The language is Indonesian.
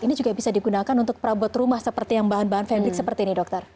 ini juga bisa digunakan untuk perabot rumah seperti yang bahan bahan fendrik seperti ini dokter